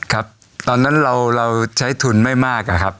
ครับตอนนั้นเราใช้ทุนไม่มากอะครับ